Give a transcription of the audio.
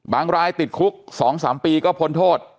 รายติดคุก๒๓ปีก็พ้นโทษ